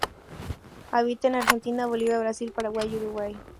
Habita en Argentina, Bolivia, Brasil, Paraguay y Uruguay.